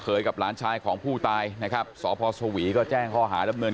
กับหลานชายของผู้ตายนะครับสพสวีก็แจ้งข้อหาดำเนิน